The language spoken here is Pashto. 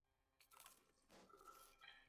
دا اړتیا د ټولنیز ژوند محرکه ده.